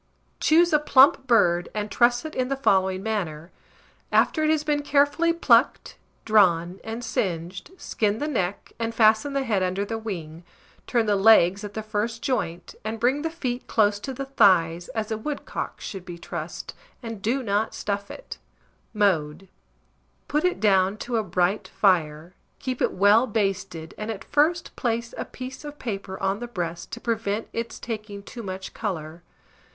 Choose a plump bird, and truss it in the following manner: After it has been carefully plucked, drawn, and singed, skin the neck, and fasten the head under the wing; turn the legs at the first joint, and bring the feet close to the thighs, as a woodcock should be trussed, and do not stuff it. Mode. Put it down to a bright fire, keep it well basted, and at first place a piece of paper on the breast to prevent its taking too much colour.